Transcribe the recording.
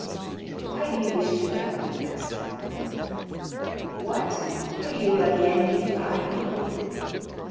"Why do you wish to know?" asked Cavalcanti. "What? do you again defy me?"